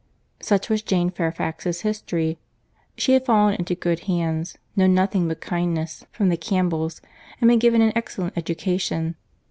Such was Jane Fairfax's history. She had fallen into good hands, known nothing but kindness from the Campbells, and been given an excellent education.